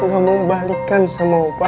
gak mau balikan sama opa